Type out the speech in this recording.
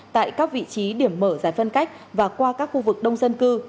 tại các vị trí điểm mở giải phân cách và qua các khu vực đông dân cư